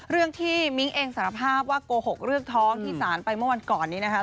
เรื่องที่มิ้งเองสารภาพว่าโกหกเรื่องท้องที่สารไปเมื่อวันก่อนนี้นะคะ